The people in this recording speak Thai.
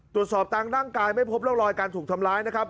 ตรวจสอบตามร่างกายไม่พบร่องรอยการถูกทำร้ายนะครับ